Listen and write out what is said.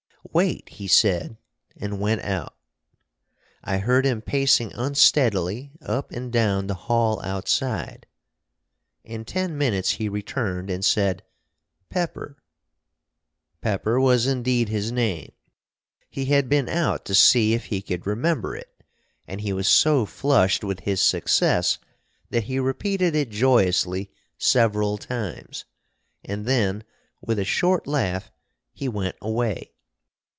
"Wait!" he said, and went out. I heard him pacing unsteadily up and down the hall outside. In ten minutes he returned, and said, "Pepper!" Pepper was indeed his name. He had been out to see if he could remember it, and he was so flushed with his success that he repeated it joyously several times, and then, with a short laugh, he went away.